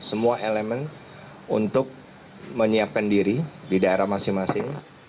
semua elemen untuk menyiapkan diri di daerah masing masing